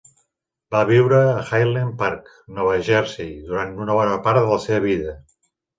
Va viure a Highland Park, Nova Jersey, durant una bona part de la seva vida.